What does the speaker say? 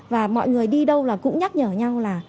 và mọi người đi đâu là cũng nhắc nhở nhau là